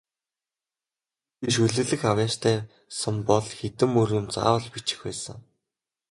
Хэрэв би шүлэглэх авьяастай сан бол хэдэн мөр юм заавал бичих байсан.